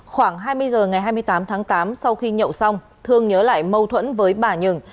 khoảng hai mươi h ngày hai mươi tám tháng tám sau khi nhậu xong thương nhớ lại mâu thuẫn với bà nhường